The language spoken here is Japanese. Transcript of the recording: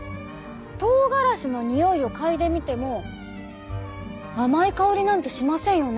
とうがらしのにおいを嗅いでみても甘い香りなんてしませんよね？